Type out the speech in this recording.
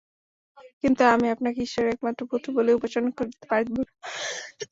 কিন্তু আমি আপনাকে ঈশ্বরের একমাত্র পুত্র বলিয়া উপাসনা করিতে পারিব না।